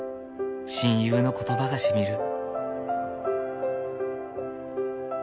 親友の言葉がしみる。